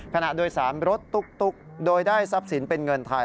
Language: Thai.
ขณะโดยสารรถตุ๊กโดยได้ทรัพย์สินเป็นเงินไทย